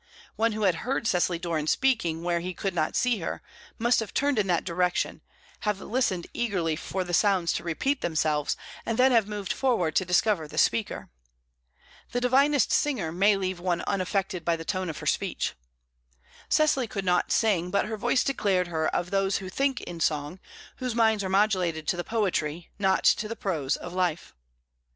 One who had heard Cecily Doran speaking where he could not see her, must have turned in that direction, have listened eagerly for the sounds to repeat themselves, and then have moved forward to discover the speaker. The divinest singer may leave one unaffected by the tone of her speech. Cecily could not sing, but her voice declared her of those who think in song, whose minds are modulated to the poetry, not to the prose, of life.